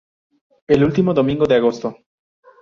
El último domingo de agosto.